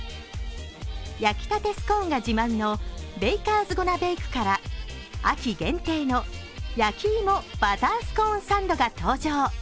焼きたてスコーンが自慢のベイカーズゴナベイクから秋限定の焼き芋バタースコーンサンドが登場。